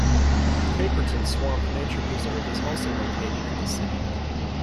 Caperton Swamp Nature Preserve is also located in the city.